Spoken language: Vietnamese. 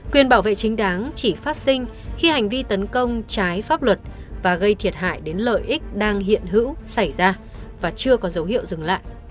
quyền bảo vệ chính đáng chỉ phát sinh khi hành vi tấn công trái pháp luật và gây thiệt hại đến lợi ích đang hiện hữu xảy ra và chưa có dấu hiệu dừng lại